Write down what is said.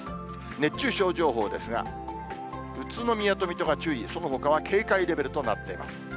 熱中症情報ですが、宇都宮と水戸が注意、そのほかは警戒レベルとなっています。